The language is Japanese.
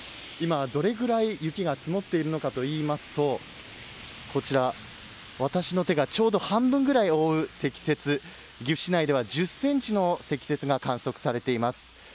今どれぐらい雪が積もっているのかといいますとこちら、私の手がちょうど半分ぐらい覆う積雪、岐阜市内では１０センチの積雪が観測されています。